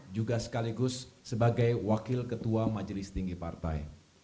juga sekaligus sebagai wakil ketua majelis tinggi partai